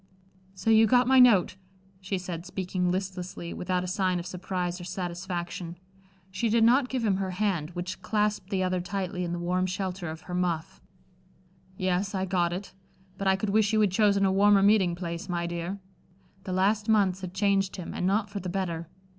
"So you got my note," she said, speaking listlessly, without a sign of surprise or satisfaction. She did not give him her hand, which clasped the other tightly, in the warm shelter of her muff. "Yes, I got it; but I could wish you had chosen a warmer meeting place, my dear." The last months had changed him, and not for the better.